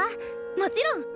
⁉もちろん！